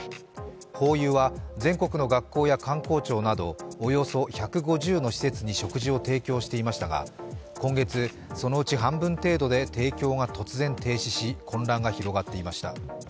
ホーユーは全国の学校や官公庁などおよそ１５０の施設に食事を提供していましたが、今月、そのうち半分程度で提供が突然停止し混乱が広がっていました。